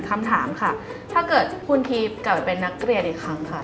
คำถามค่ะถ้าเกิดคุณทีฟกลับไปเป็นนักเรียนอีกครั้งค่ะ